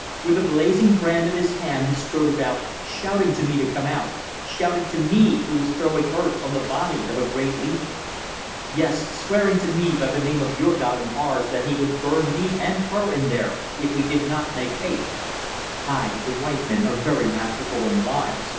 With a blazing brand in his hand he strode around, shouting to me to come out shouting to me, who was throwing earth on the body of a great leader. Yes; swearing to me by the name of your God and ours that he would burn me and her in there if we did not make haste. ... Hai! The white men are very masterful and wise.